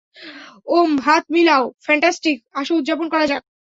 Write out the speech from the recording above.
ওম হাত মিলাও, ফ্যান্টাস্টিক, আসো উদযাপন করা যাক।